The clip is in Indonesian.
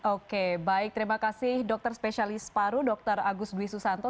oke baik terima kasih dokter spesialis paru dr agus dwi susanto